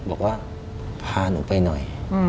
บอกว่าพาหนูไปหน่อย